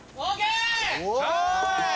おい！